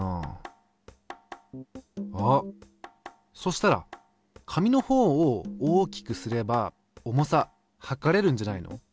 あっそしたら紙のほうを大きくすれば重さ量れるんじゃないの？